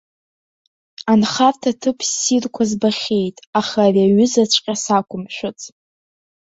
Анхарҭа ҭыԥ ссирқәа збахьеит, аха ари аҩызаҵәҟьа сақәымшәац.